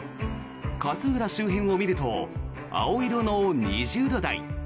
勝浦周辺を見ると青色の２０度台。